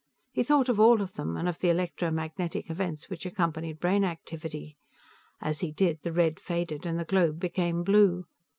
He thought of all of them, and of the electromagnetic events which accompanied brain activity. As he did, the red faded and the globe became blue.